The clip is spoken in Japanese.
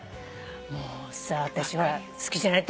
もうさ私好きじゃない？